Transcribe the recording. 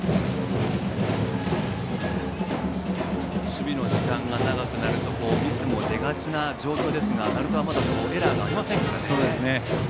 守備の時間が長くなるとミスも出がちな状況ですが鳴門はまだエラーがありません。